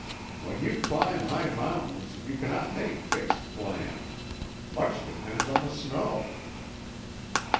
"When you climb high mountains you cannot make fixed plans. Much depends on the snow."